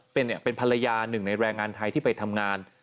เป็นภรรยาหนึ่งในแรงงานไทยที่ไปทำงาน